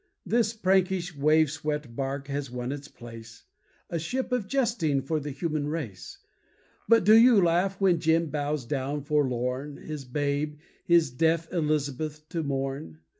This prankish wave swept barque has won its place, A ship of jesting for the human race. But do you laugh when Jim bows down forlorn His babe, his deaf Elizabeth to mourn?